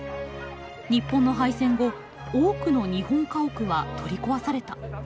日本の敗戦後多くの日本家屋は取り壊された。